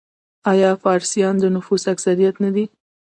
آیا فارسیان د نفوس اکثریت نه دي؟